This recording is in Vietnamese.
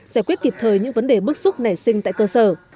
giải quyết kịp thời những vấn đề bức xúc nảy sinh tại cơ sở